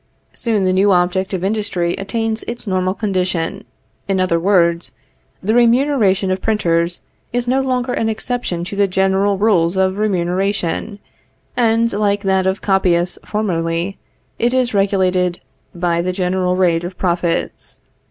Soon the new object of industry attains its normal condition; in other words, the remuneration of printers is no longer an exception to the general rules of remuneration, and, like that of copyists formerly, it is only regulated by the general rate of profits.